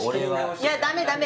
いやダメダメ！